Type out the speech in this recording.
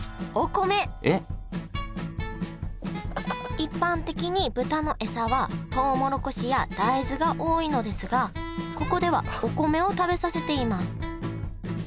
一般的に豚の餌はトウモロコシや大豆が多いのですがここではお米を食べさせています